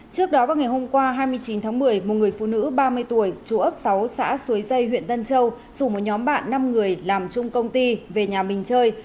trước đó vào ngày hôm qua hai mươi chín tháng một mươi một người phụ nữ ba mươi tuổi chú ấp sáu xã suối dây huyện tân châu dùng một nhóm bạn năm người làm chung công ty về nhà mình chơi